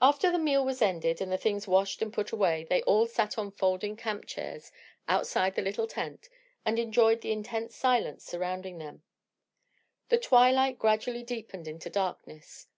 After the meal was ended and the things washed and put away they all sat on folding camp chairs outside the little tent and enjoyed the intense silence surrounding them. The twilight gradually deepened into darkness.